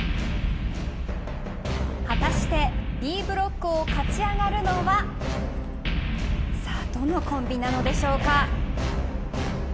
果たしてＢブロックを勝ち上がるのはどのコンビなんでしょうか。